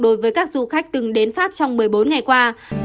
đối với các du khách từng đến pháp trong một mươi bốn ngày qua